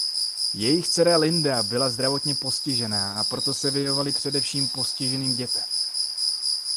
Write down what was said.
Jejich dcera Linda byla zdravotně postižená a proto se věnovali především postiženým dětem.